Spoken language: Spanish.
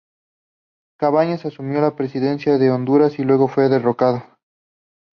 Cabañas asumió la presidencia de Honduras y luego fue derrocado.